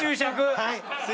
はい。